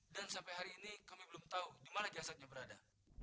dan sampai hari ini kami belum tahu dimana jasadnya berada